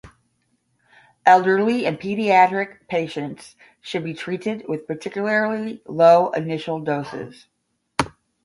Elderly and pediatric patients should be treated with particular low initial doses.